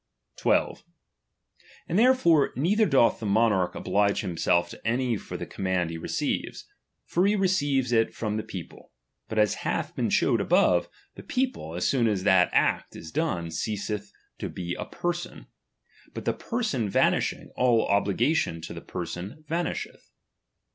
12. And therefore neither doth the monarch obhge himself to any for the command he receives. For he receives it from the people ; but as hath been shewed above, the people, as soon as that act is done, ceaseth to be a person ; but the person vanishing, all obligation to the person vanisheth.